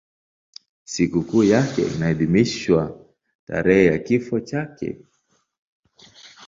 Sikukuu yake inaadhimishwa tarehe ya kifo chake.